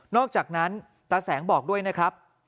อกจากนั้นตาแสงบอกด้วยนะครับ